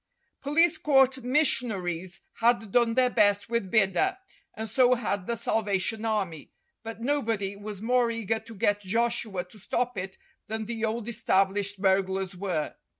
Police court mission aries had done their best with Bidder, and so had the Salvation Army, but nobody was more eager to get Joshua to stop it than the old established burglars were.